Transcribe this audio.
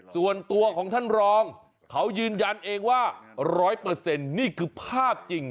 ส่วนตัวของท่านรองเขายืนยันเองว่า๑๐๐นี่คือภาพจริง